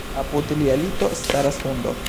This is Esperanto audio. Apud lia lito staras hundo.